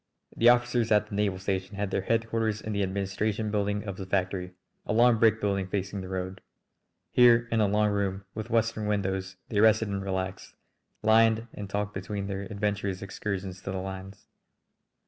The officers at the naval air station had their headquarters in the administration building of the factory, a long brick building facing the road. Here in a long room with western windows they rested and relaxed, lined and talked between their adventurous excursions to the lines.